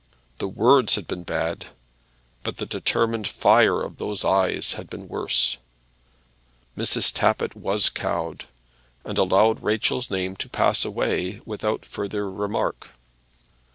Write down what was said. The words had been bad, but the determined fire of those eyes had been worse. Mrs. Tappitt was cowed, and allowed Rachel's name to pass away without further remark.